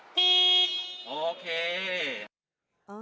โอเค